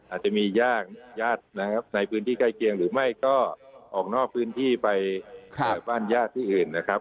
อาจจะมีญาติญาตินะครับในพื้นที่ใกล้เคียงหรือไม่ก็ออกนอกพื้นที่ไปบ้านญาติที่อื่นนะครับ